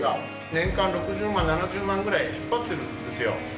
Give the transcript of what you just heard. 年間６０万７０万ぐらい引っ張っているんですよ。